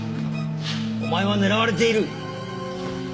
お前は狙われている！